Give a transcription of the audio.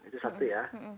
itu satu ya